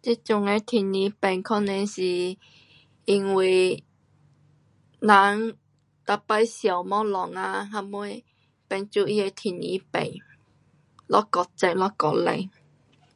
这阵的天气变可能是因为人每次烧东西啊什么，变作他的天气变了越热了越冷。